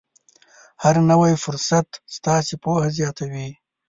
هر نوی فرصت ستاسې پوهه زیاتوي.